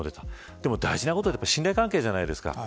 でも大事なことは信頼関係じゃないですか。